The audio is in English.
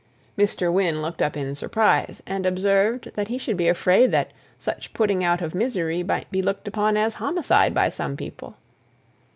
Mr. Wynne looked up in surprise, and observed that he should be afraid that such putting out of misery might be looked upon as homicide by some people.